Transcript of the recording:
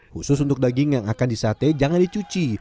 khusus untuk daging yang akan disate jangan dicuci